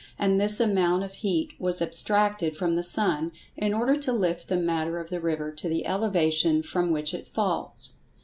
and this amount of heat was abstracted from the sun, in order to lift the matter of the river to the elevation from which it falls.